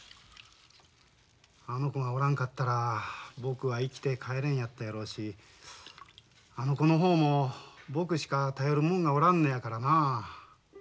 あの子がおらんかったら僕は生きて帰れんやったやろうしあの子の方も僕しか頼るもんがおらんのやからな。